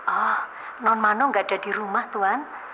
oh non mano gak ada di rumah tuan